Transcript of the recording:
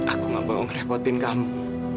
aku gak mau ngerepotin kamu